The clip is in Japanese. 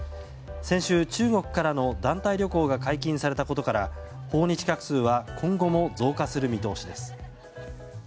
先週、中国からの団体旅行が解禁されたことから訪日客数は今後も増加する見通しです。